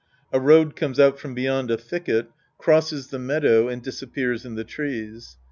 A road comes out from beyond a thicket, crosses the meadow and disappears in the trees.